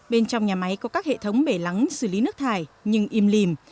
bên trong nhà máy có các hệ thống bể lắng xử lý nước thải nhưng im lìm